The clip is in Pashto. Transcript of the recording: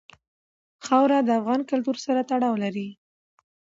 خاوره د افغان کلتور سره تړاو لري.